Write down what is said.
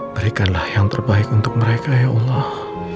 berikanlah yang terbaik untuk mereka ya allah